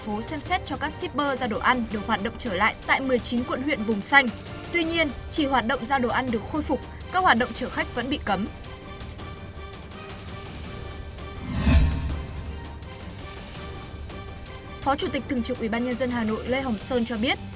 phó chủ tịch thường trực ubnd hà nội lê hồng sơn cho biết